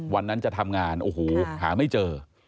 วันนั้นจะทำงานโอ้โหหาไม่เจอ